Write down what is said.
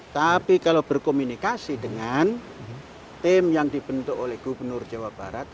tapi kalau berkomunikasi dengan tim yang dibentuk oleh gubernur jawa barat